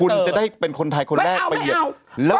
คุณจะได้เป็นคนไทยคนแรกประเย็นไม่เอา